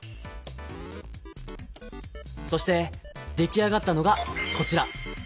そして出来上がったのがこちら。